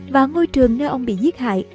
và ngôi trường nơi ông bị giết hại